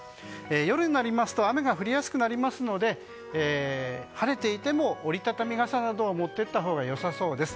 夜になりますと雨が降りやすくなりますので晴れていても折り畳み傘などを持っていったほうが良さそうです。